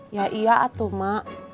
ya iya tuh mak